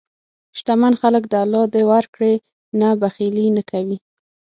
شتمن خلک د الله د ورکړې نه بخیلي نه کوي.